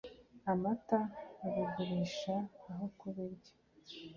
amata babigurisha aho kubirya